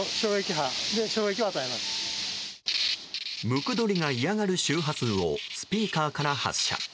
ムクドリが嫌がる周波数をスピーカーから発射。